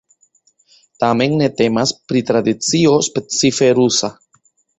Tamen ne temas pri tradicio specife rusa.